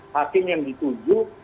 laking yang dituju